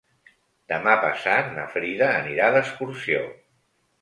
Demà passat na Frida anirà d'excursió.